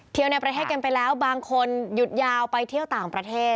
ในประเทศกันไปแล้วบางคนหยุดยาวไปเที่ยวต่างประเทศ